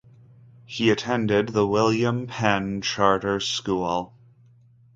He attended the William Penn Charter School.